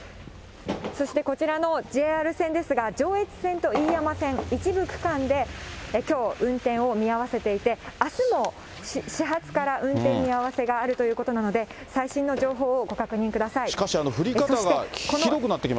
そしてこちらのＪＲ線ですが、上越線と飯山線、一部区間できょう、運転を見合わせていて、あすも始発から運転見合わせがあるということなので、最新の情報